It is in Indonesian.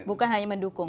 bukan hanya mendukung